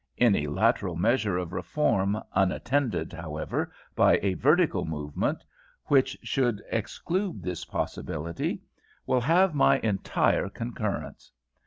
Any lateral measure of reform, unattended, however, by a vertical movement, which should exclude this possibility, will have my entire concurrence.